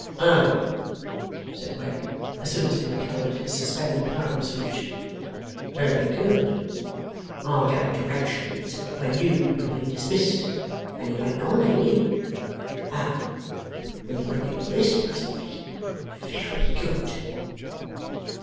'Oh!' said Wegg, as soon as he recovered his suspended power of speech. 'Very good! I gave directions for YOU to be dismissed. And you ain't gone, ain't you? Oh! We'll look into this presently. Very good!